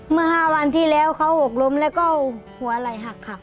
เมื่อ๕วันที่แล้วเขาหกล้มแล้วก็หัวไหล่หักค่ะ